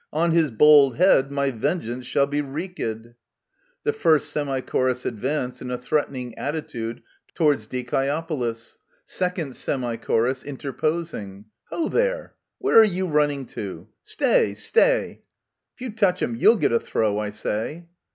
On his bold head my vengeance shall be wreaked ! [The first Semi Chorus advance in a threatening attitude towards DiCiEOPOLis. 2nd Semi Chor. (interposing). Ho, there ! Where are you running to ? Stay ! stay ! If you touch him, you'll get a throw, I say.